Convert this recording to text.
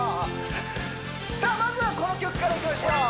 さあまずはこの曲からいきましょう